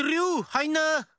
はいんな！